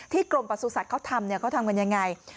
ที่กรมประสุทธิ์สัตว์เขาทำเขาทำกันอย่างไร